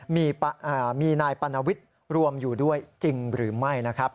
มีนายปรณวิทย์รวมอยู่ด้วยจริงหรือไม่นะครับ